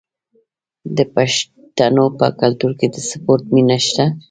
د پښتنو په کلتور کې د سپورت مینه شته.